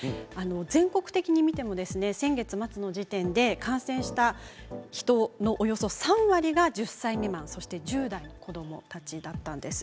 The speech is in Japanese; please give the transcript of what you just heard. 全国的に見ても先月末の時点で感染した人のおよそ３割が１０歳未満そして１０代の子どもたちだったんです。